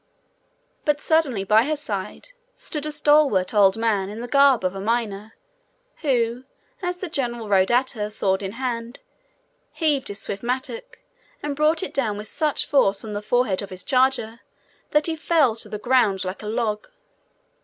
But suddenly by her side stood a stalwart old man in the garb of a miner, who, as the general rode at her, sword in hand, heaved his swift mattock, and brought it down with such force on the forehead of his charger, that he fell to the ground like a log.